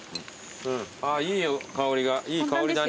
あぁいい香りが。